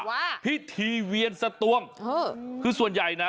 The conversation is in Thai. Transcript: เรียกกันว่าว่าพิธีเวียนสะตวงเออคือส่วนใหญ่น่ะ